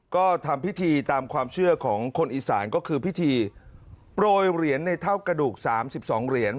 ก็ทำพิธีตามความเชื่อของคนอีสานก็คือพิธีโปรยเหรียญในเท่ากระดูก๓๒เหรียญ